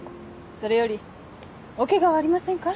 それよりおケガはありませんか？